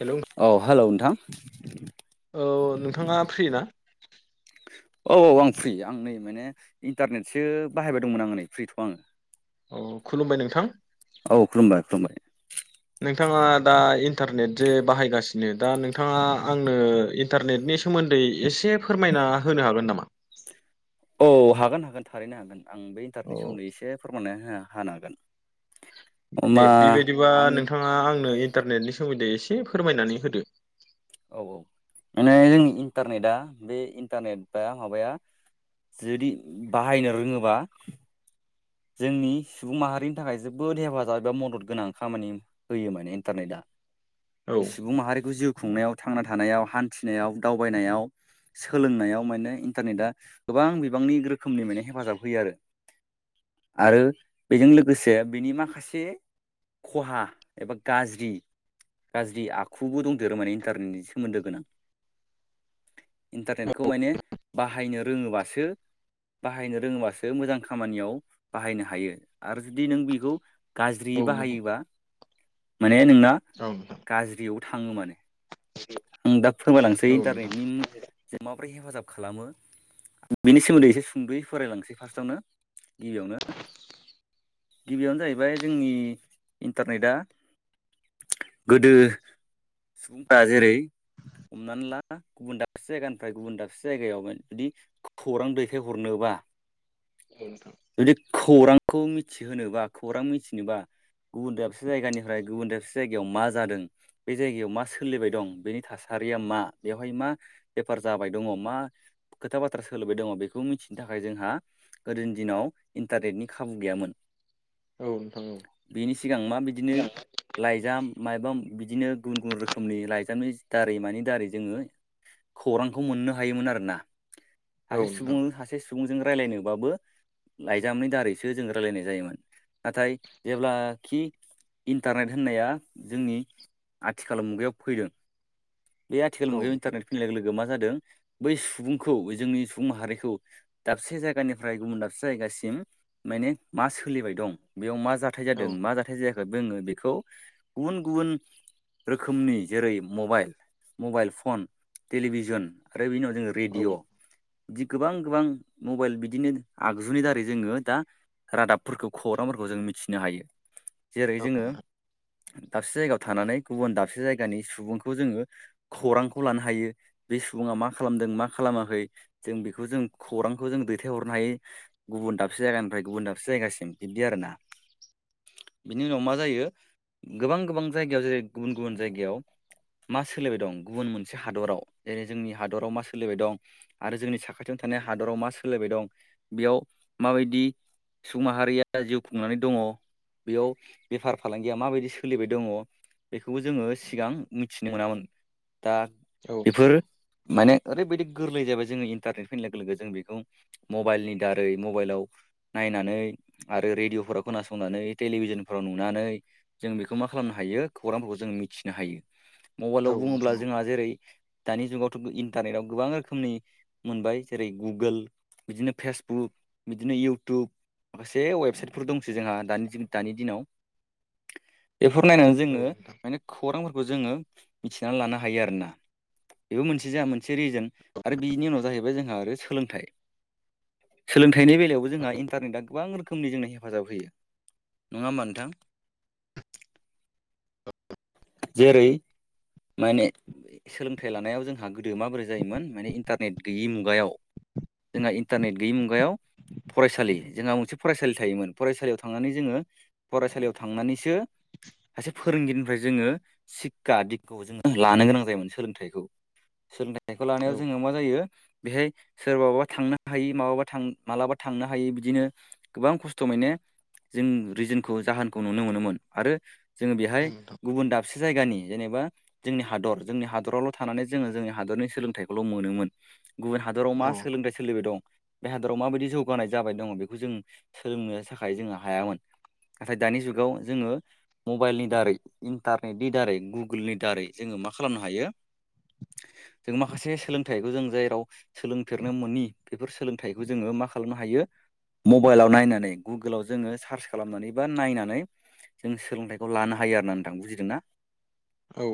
Hello औ हेल' नोंथां। औ नोंथाङा फ्रि ना औ औ आं फ्रि आं नै माने इन्टारनेटसो बाहायबाय दंमोन आं नै फ्रिथ' आं। अ खुलुमबाय नोंथां। औ खुलुमबाय खुलुमबाय। नोंथाङा दा इन्टारनेट जे बाहायगासिनो दा नोंथाङा आंनो इन्टारनेटनि सोमोन्दै एसे फोरमायना होनो हागोन नामा? औ हागोन हागोन थारैनो हागोन आं बे इन्टारनेटनि औ सोमोन्दै एसे फोरमाना होनो हानो हागोन। दे होमबा बिबायदिबा आं नोंथाङा आंनो इन्टारनेटनि सोमोन्दैयै एसे से फोरमायनानै होदो। औ औ माने जोंनि इन्टारनेटआ बे इन्टारनेट बा माबाया जुदि बाहायनो रोङोबा जोंनि सुबुं माहारिनि थाखाय जोबोद हेफाजाब एबा मदद गोनां खामानि होयो माने इन्टारनेटआ। औ सुबुं माहारिखौ जिउ खुंनायाव थांना थानायाव हान्थिनायाव दावबायनायाव सोलोंनायाव माने इन्टारनेटआ गोबां बिबांनि रोखोमनि माने हेफाजाब होयो आरो। [inaudible] आरो बेजों लोगोसे बेनि माखासे खहा एबा गाज्रि गाज्रि आखुबो दंदेरो माने इन्टारनेटनि सोमोन्दो गोनां। इन्टारनेटखौ माने बाहायनो रोङोबासो बाहायनो रोङोबासो मोजां खामानियाव बाहायनो हायो आरो जुदि नों बेखौ औ गाज्रियै नोंथां बाहायोबा माने नोंना गाज्रियाव थाङो माने आं दा फोरमायलांसै औ नोंथां इन्टारनेटनि माबोरै हेफाजाब खालामो। बिनि सोमोन्दै एसे सुंद'यै फरायलांसै फार्स्टआवनो गिबियावनो। गिबियावनो जाहैबाय जोंनि इन्टारनेटआ गोदो सुबुंफोरा जेरै [inaudible] हमनानै ला गुबुन दाबसे जायगानिफ्राय गुबुन दाबसे जायगायाव जुदि खौरां दैखायहरनोबा औ नोंथां जुदि खौरांखौ मिथिहोनोबा खौरां मिथिनोबा गुबुन दाबसे जायगानिफ्राय गुबुन दाबसे जायगायाव मा जादों बे जायगायाव मा सोलिबाय दं, बेनि थासारिया मा बेवहाय मा, बेफार जाबाय दङ, मा खोथा बाथ्रा सोलबाय दङ बेखौ मिथि नो थाखाय जोंहा गोदोनि दिनाव इन्टारनेटनि खाबु गैयामोन। औ नोंथां। औ बेनि सिगां मा बिदिनो लाइजाम माइबा बिदिनो गुबुन गुबुन रोखोमनि लाइजा मनि दारै मानि दारै जोङो खौरांखौ मोननो हायोमोन आरोना। औ सासे नोंथां सुबुं सासे सुबुंजों रायलायनोबाबो लाइजामनि दारैसो जों रायलायनाय जायोमोन, नाथाय जेब्लाखि इन्टारनेट होननाया जोंनि आथिखाल मुगायाव फैदों बे आथिखाल औ मुायाव इन्टारनेट फैनाय लोगो लो गो मा जादों बै सुबुंखौ जोंनि सुबुं माहारिखौ दाबसे जायगानिफ्राय गुबन दाबसे जायगा सिम मा सोलिबाय दं बेयाव मा जाथाय जादों मा जाथाय जायाखै जोङो बेखौ गुबुन गुबुन रोखोमनि जेरै मबाइल, मबाइल फन, टेलिभिजन आरो बिनि उनाव जों रेडिय' औ बिदि गोबां गोबां मबाइल बिदिनो आगजुनि दारै जोङो दा रादाबफोरखौ खौरांफोरखौ जों मिथिनो हायो। जेरै जोङो दाबसे जायगायाव थानानै गुबुन दाबसे जायगानि सुबुं खौ जोङो खौरांखौ लानो हायो बे सुबुङ मा खालामदों मा खालामाखै जों बेखौ जों खौरांखौ जों दैथायहरनो हायो गुबुन दाबसे जायगानिफ्राय गुबुन दाबसे जायगासिम बिदि आरो ना। [inaudible] बिनि उनाव मा जायो गोबां गोबां जायगायाव जेरै गुबुन गुबुन जायगायाव मा सोलिबाय दं गुबुन मोनसे हादराव, जेरै जोंनि हादराव मा सोलिबाय दं आरो जोंनि साखाथि याव थानाय हादराव मा सोलायबाय दं बेयाव माबायदि सुबुं माहारिया जिउ खुंनानै दङ बेयाव बेफार फालांगिया माबायदि सोलिबाय दङ बेखौबो जोङो सिगां मिथिनो मोनामोन दा औ बेफोर माने ओरैबायदि गोरलै जाबाय जोङो इन्टारनेट फैनाय लोगो लोगो जों बेखौ मबाइलनि दारै मबाइलाव नाय नायनानै आरो रेडिअ'फोराव खोनासंनानै टेलिभिजनफोराव नुनानै जों बेखौ मा खालामनो हायो खौरांफोखौ जों मिथिनो हायो। मबाईलआव बुङोब्ला नोंथां जोंहा जेरै दानि जुगावथ' इन्टारनेटाव गोबां रोखोमनि मोनबाय, जेरै गुगोल बिदिनो फेसबुक बिदिनो इउटुब माखासे वेबसाइटफोर दंसै जोंहा दानि जिक दानि दिनाव। [inaudible] बेफोर नायनानै औ जोङो माने खौरांफोरखौ जोङो मिथिनानै लानो हायो आरो ना? बेबो मोनसे जाहा मोनसे रिजोन आरो बिनि उनाव जाहैबाय जोंहा आरो सोलोंथाइ। सोलोंथाइनि बेलायावबो जोंहा इन्टारनेटआ गोबां रोखोमनि जोंनो हेफाजाब होयो। नङा होमबा नोंथां? औ। जेरै माने ए सोलोंथाइ लानायाव जोंहा गोदो माबोरै जायोमोन माने इन्टारनेट गैयि मुगायाव? जोंहा इन्टारनेट गैयि मुगायाव फरायसालि जोंहा मोनसे फरायसालि थायोमोन फरायसालियाव थांनानै जोङो फरायसालियाव थांनानैसो सासे फोरोंगिरिनि ओमफ्राय जोंङो सिक्खा दिख‌' जों लानो गोनां जायोमोन सोलोंथाइखौ सोलोंथाइ फिथाइखौ लानायाव औ नोंथां औ जोङो मा जायो? बेहाय सोरबाबा थांनो हायी माबाबा मालाबा थांनो हायी बिदिनो गोबां खस्थ' मोनो। जों रिजोनखौ जाहोनखौ नुनो मोनोमोन आरो जोङो बेहाय नोंथां गुबुन दाबसे जायगानि जेनेबा जोंनि हादर जोंनि हादरावल' थानानै जोङो जोंनि हादरनि सोलोंथाइखौल' मोनोमोन। गुबुन हादरआव मा औ सोलोंथाइ सोलिबाय दं? बे हादरआव माबायदि जौगानाय जाबाय दङ बेखौ जों सोलोंनो थाखाय जोङो हायामोन। नाथाय दानि जुगाव जोंङो मबाइलनि दारै इन्टारनेटनि दारै गुगोलनि दारै जोंङो मा खालामनो हायो? जों माखासे सोलोंथाइखौ जों जेराव सोलोंफेरनो मोनि बेफोर सोलोंथाइखौ जोङो मा मा खालामनो हायो मबाइलआव नायनानै गुगोलाव जोङो सार्च खालामनानै बा नायनानै जों सोलोंथाइखौ लानो हायो आरो ना? थां बुजिदों ना? औ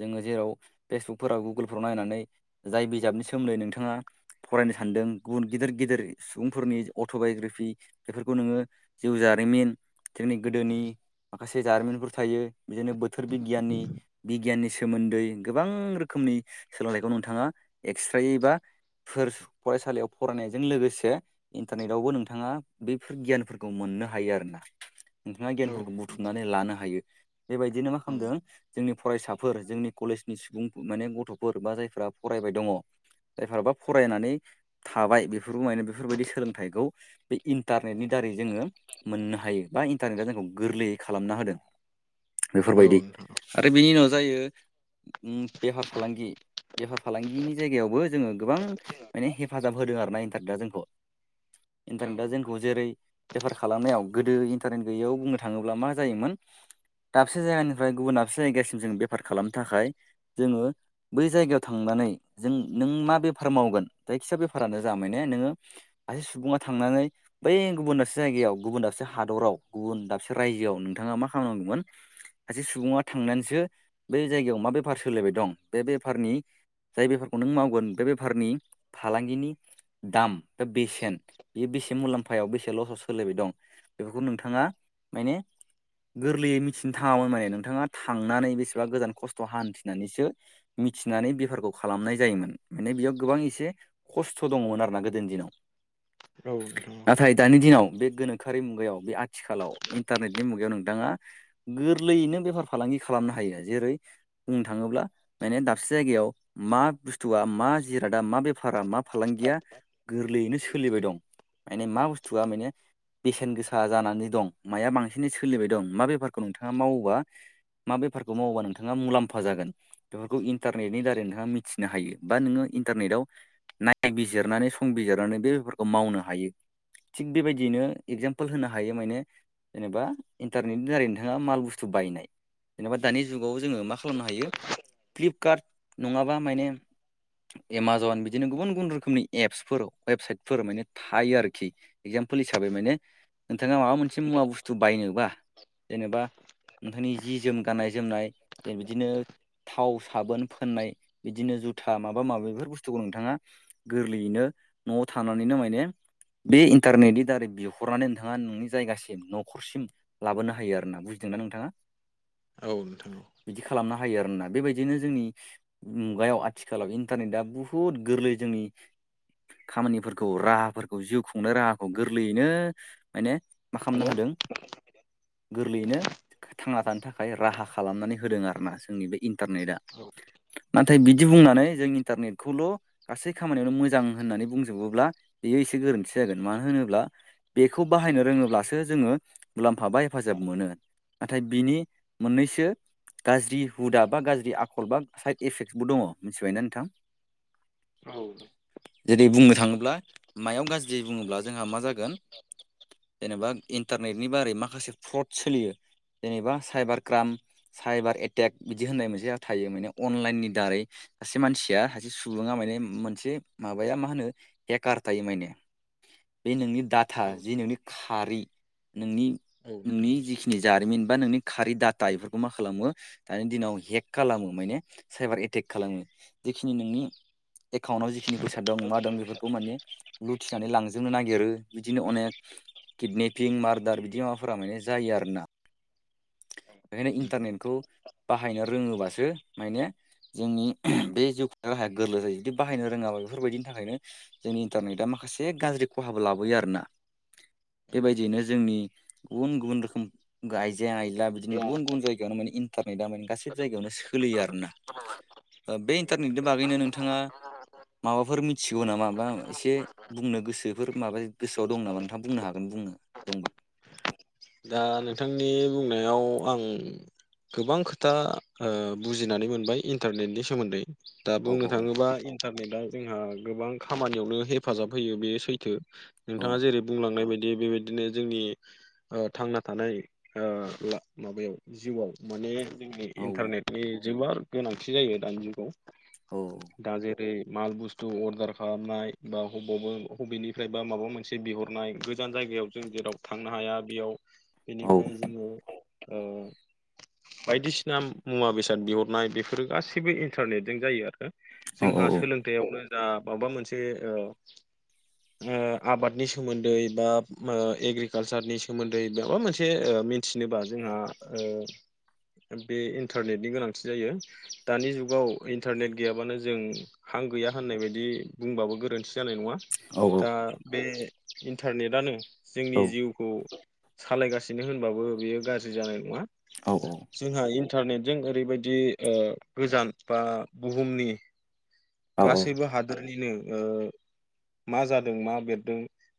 जोंङो जेराव फेसबुकफोराव गुगोलफोराव नायनानै जाय बिजाबनि सोमोन्दै नोंथाङा फरायनो सानदों गुबुन गिदिर-गि जेरै सुबुंफोरनि अट' बाय'ग्राभि बेफोरखौ नोंङो जिउ जारिमिन जोंनि गोदोनि माखासे जारिमिनफोर थायो। बिदिनो बोथोर बिगियाननि बिगियाननि सोमोन्दै गोबां रोखोमनि सोलोंथाइखौ नोंथांङा एक्सथ्रायै बा फोरस फरायसालियाव फरायनायजों लोगोसे इन्टारनेटावबो नोंथाङा बैफोर गियानफोरखौ मोन ननो हायो आरो ना नोंथांङा औ गियानफोरखौ बुथुमनानै लानो हायो। बेबायदिनो मा खालामदों जोंनि फरायसाफोर जोंनि कलेजनि सुबुं माने गथ'फोर बा जायफ्रा फरायबाय दंङ। जायफोराबा फरायनानै थाबाय बेफोर माने बेफोरबायदि सोलोंथाइखौ बे इन्टार नेट नि दारै जोंङो मोननो हायो बा इन्टारनेटआ जोंखौ गोर्लैयै खालामना होदों। बेफोरबायदि औ नोंथां आरो बेनि उनाव जायो उम बेफार फालांगि। बेफार फालांगिनि जायगायावबो जोंङो गोबां माने हेफाजाब होदों आर ना इन्टारनेटआ जोंखौ इन्टारनेटआ जोंखौ जेरै बेफार खालामनाव गोदो इन्टारनेट गैयैयाव बुंनो थाङोब्ला मा जायोमोन? [inaudible] दाबसे जायगानिफ्राय गुबुन दाबसे जायगासिम जों बेफार खालामनो थाखाय जोंङो बै जायगायाव थांनानै जों नों मा बेफार मावगोन जायखिजा बेफारानो जा मानो नोंङो सासे सुबुङा थांनानै बै गुबुन दाबसे जायगायाव गुबुन दाबसे हादरआव गुबुन दाबसे रायजोआव नोंथां बिथांङा मा खालाम नांगौमोन? सासे सुबुंङा थांनानैसो बै जायगायाव मा बेफार सोलिबाय दं बे बेफारनि जाय बेफारखौ नों मावगोन बे बेफारनि फालांगिनि दाम बा बेसेन बेयो बेसे मुलाम्फायाव बेसे लसाव सोो्लायबाय दं बेफोरखौ नोंथाङा माने गोरलैयै मिथि थावनाय नोंथाङा थांनानै बेसेबा गोजान खस्थ' हान्थिनानैसो मिथिनानै बेारफोरखौ खालामनाय जायोमोन माने बेयाव गोबां एसे खस्थ' दङमोन आरोना गोदोनि दिनाव औ नोंथां औ नाथाय दानि दिनाव बे गोनोखोआि मुगायाव बे आथिखालाव इन्टारनेटनि मुगायाव नोंथाङा गोरलैयैनो बेफार फालांगि खालामनो हायो जेरै बुंनो थाङोब्ला माने दाबसे जायगायाव मा बुस्थुआ मा जिरादा मा बेफारा मा फालांगिया गोरलैयैनो सोलिबाय दं। माने मा बुस्थुआ माने बेसेन गोसा जानानै दं माया बांसिनै सोलिबाय दं मा बेफार खौ नोंथाङा मावोबा मा बेफारखौ मावोबा नोंथाङा मुलाम्फा जागोन बेफोरखौ इन्टारनेटनि दारै नोंथाङा मिथिनो हायो बा नोङो। इन्टारनेटाव नायबिजिरनानै संबिरनानै बेफोरखौ मावनो हायो। थिग बेबायदियैनो एगजामपोल होनो हायो माने जेनेबा इन्टारनेटनि दारैनो नोंङा माल बुस्थु बायनाय जेनेबा दानि जुगाव जोङो मा खालामनो हायो फ्लिपकार्ट नङाबा माने एमाजन बिदिनो गुबुन गुबुन रोखोमनि एप्सफोराव वेबसाइटफोर माने थायो आरोखि एगजा म्फुल हिसाबै माने नोंथाङा माबा मोनसे मुवा बुस्थु बायनोबा जेनेबा नोंथांनि जि जोम गाननाय जोमनाय बिदिनो थाव साबोन फोननाय बिदिनो जुथा माबा माबि बेफोर बुस्थुखौ नोंथाङा गोरलैयैनो न'आव थानानैनो माने बे इन्टारनेटनि दारै बिहरनानै नोंथाङा नोंनि जायगासिम न'खरसिम लाबोनो हा हायो आरो ना बुजिदों ना नोंथाङा औ नोंथां औ बिदि खालामनो हायो आरोना बेबायदि बिदिनो जोंनि मुगायाव आथिखालाव इन्टारनेटआ बुहुद गोरलै जोंनि खामानिफोरखौ राहाफोरखौ जिउ खुंनाय राहाखौ गोरलैयैनो माने मा खालामना होदों गोरलैयैनो थांना थानो थाखाय राहा खालामनानै होदों आरोना जोंनि बे इनथारनेटआ ना नाथाय बिदि बुंनानै जों इन्टारनेटखौल' गासै खामानियावनो मोजां होननानै बुंजोबोब्ला बेयो एसे गोरोनथि जागोन मानो होनोब्ला बेखौ बाहायनो रोङोब्लासो जोङो मुलाम्फा बाय हेफाजाब मोनो नाथाय बिनि मोननैसो गाज्रि हुदा बा गाज्रि आखल बा साइद इफेक्टसबो दङ मिथिबायना नोंथां? औ। जेरै बुंनो थाङोब्ला मायाव गाज्रि बुङोब्ला जोंहा मा जागोन जेनेबा इन्टारनेटनि बारै माखासे फ्रड सोलियो जेनेबा साइबार क्राम साइबार एटेक बिदि होननाय मोनसे थायो माने अनलाइननि दारै सासे मानसिया सासे सुबुङा माने मोनसे माबाया मा होनो हेकार थायो माने बे नोंनि नोंथां डाटा जे औ नोंनि खारि नोंनि नोंथां नोंनि औ जिखिनि जारिमिन बा नोंनि खारि डाटा इफोरखौ मा खालामो दानि दिनाव हेक खालामो माने साइबार एटेक खालामो जिखिनि नोंनि एकाउन्टाव जिखिनि बेसाद दं मा दं बेफोरखौ माने लुथिनानै लांजोबनो नागिरो बिदिनो अनेक किडनेपिं मार्दार बिदि मा फोरा माने जायो आरोना बेखायनो इन्टारनेटखौ बाहायनो रोङोबासो माने जोंनि बे जिउ खु राहाया गोरलै जायो जुदि बाहायनो रोङाबा बेफोरबायदिनि थाखायनो जोंनि इन्टारनेटआ माखासे गाज्रि खहाबो लाबोयो आरोना। [inaudible] बेबायदियैनो नोंथां जोंनि गुबुन गुबुन रोखोम गायजो जें आइला बिदिनो गुबुन गुबुन जायगायावनो माने इन्टारनेटआ माने गासैबो जायगायावनो सोलियो आरोना। ओ बे इन्टारनेटनि बागैनो नोंथाङा माबाफोर मिथिगौ नामा बा एसे बुंनो गोसोफोर माबा गोसोआव दं नामा नोंथां बुंनो हागोन। बुंनो दंबा दा नोंथांनि बुंनायाव आं गोबां खोथा ओ बुजिनानै मोनबाय इन्टारनेटनि सोमोन्दै दा औ बुंनो औ औ थाङोबा इन्टारनेटा जोंहा गोबां खामानियावनो हेफाजाब होयो बे सैथो नोंथाङा जेरै बुंलांनाय बायदि दि बेबायदिनो जोंनि ओ थांना थानाय ओ माबायाव जिउआव माने जोंनि औ इन्टारनेटनि जोबोर गोनांथि जायो दानि जुगाव। औ। बे माल बुस्थु अर्डार खालामनाय बा अबावब बबेनिफ्राय बा माबा मोनसे बिहरनाय गोजान जायगायाव जों जेराव थांनो हाया बेयाव औ बेनिफ्राय जोङो ओ बायदिसिना मुवा बेसाद बिहरनाय बेफोरो गासैबो इन्टारनेटजों जायो आरो। जोंहा सोलोंथायाइआवनो जा माबा मोनसे ओ ओ आबादनि सोमोन्दै बा ओ एग्रिकालसारनि सोमोन्दै माबा मोनसे ओ मिथिनोबा जोंहा ओ बे इन्टारनेटनि गोनांथि जायो दानि जुगाव इन्टारनेट गैयाबानो जों हा गैया होननाय बायदि बुंबाबो गोरोन्थि जानाय नङा दा बे इन्टारनेटानो जोंनि जिउखौ सालायगासिनो होनबाबो बेयो गाज्रि जानाय नङा औ औ जोंहा इन्टारनेटजों ओरैबायदि ओ गोजान बा बुहुमनि गासैबो हादोर निनो बिदिनो मा जादों मा बेरदों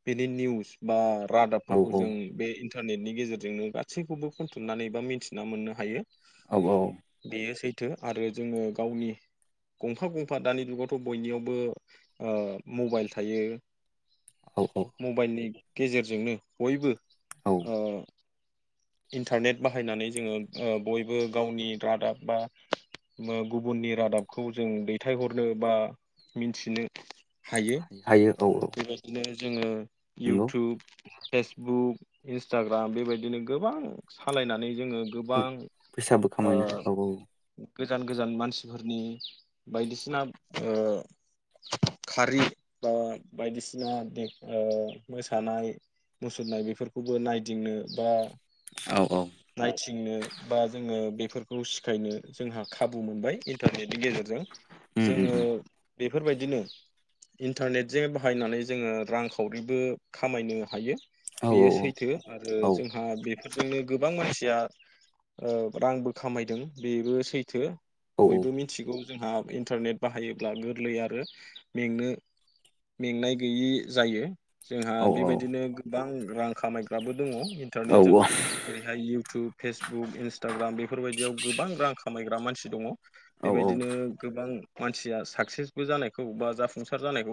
बेनि निउस बा रादाबफोरखौ जों बे इन्टारनेटनि गेजेरजोंनो गासैखौबो खनथुमनानै बा मिन्थिना मोननो हायो आव आव बेयो सैथो आरो जोङो गावनि गंफा गं फा दानि जुगावथ' बयनियावबो ओ मबाइल थायो औ मबाइलनि गेजेरजोंनो बयबो औ ओ इन्टारनेट बाहायनानै जोङो ओ बयबो गावनि रादाब बा ओ गुबुननि रादाबखौ जों दैथायहरनो बा मिन्थिनो हायो हायो औ औ बेबायदिनो जोङो नंगौ इउटुब फेसबुक इन्सटाग्राम बेबायदिनो गोबां सालायनानै जोङो गोबां फैसाबो ओ खामायनो हायो औ गोजान गोजान मानसिफोरनि बायदिसिना ओ खारि बा बायदिसिनानि ओ मोसानाय मुसुरनाय बेफोरखौबो नायदिंनो बा औ औ बिदिनो बा जोङो बेफोरखौ सिखायनो जोंहा खाबु मोनबाय इन्टारनेटनि गेजेरजों जोङो बेफोरबायदिनो इन्टारनेटजों बाहायनानै जोङो रांखावरिबो खामायनो हायो औ बेयो सैथो आरो औ जोंहा बे बेफोरजोंनो गोबां मानसिया ओ रांबो खामायदों बेबो सैथो बयबो मिथिगौ जोंहा इन्टारनेट बाहायोब्ला गोरलै आरो मेंनो मेंनाय गैयि जायो जोंहा औ बेबायदिनो गोबां रां खामायग्राबो दङ इन्टारनेटजों औ जेरैहाय इउटुब फेसबुक इन्सटाग्राम बेफोरबायदियाव गोबां रां खामायग्रा मानसि दङ औ औ बेबायदिनो गोबां मानसिया साक्सेसबो जानायखौ बा जाफुंसार जानायखौ